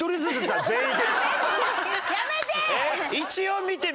やめて！